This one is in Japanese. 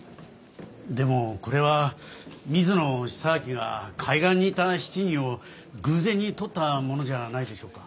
でもこれは水野久明が海岸にいた７人を偶然に撮ったものじゃないでしょうか。